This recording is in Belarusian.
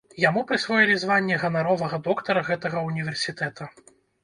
Яму прысвоілі званне ганаровага доктара гэтага ўніверсітэта.